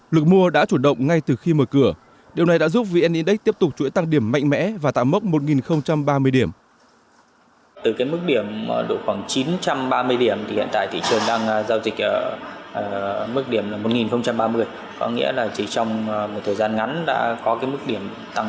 lực mua đã chủ động ngay từ khi mở cửa điều này đã giúp vn index tiếp tục chuỗi tăng điểm mạnh mẽ và tạo mốc một ba mươi điểm